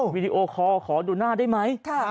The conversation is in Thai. วีดีโอคอลขอดูหน้าได้ไหม